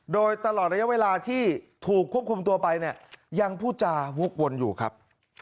โดยตลอดระยะเวลาที่ถูกควบคุมตัวไปเนี่ยยังพูดจาวกวนอยู่ครับ